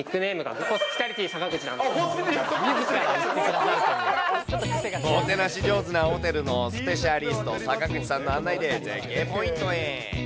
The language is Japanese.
おもてなし上手な小樽のスペシャリスト、坂口さんの案内で、絶景ポイントへ。